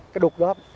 cái đục đó